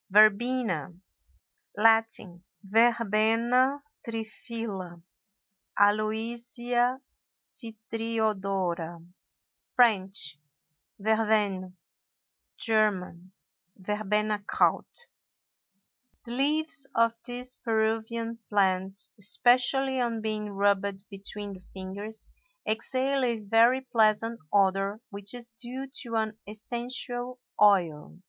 VERBENA. Latin—Verbena triphylla, Aloysia citriodora; French—Verveine; German—Verbenakraut. The leaves of this Peruvian plant, especially on being rubbed between the fingers, exhale a very pleasant odor which is due to an essential oil.